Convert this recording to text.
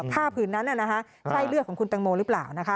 ผ้าผืนนั้นใช่เลือกของคุณตังโมหรือเปล่า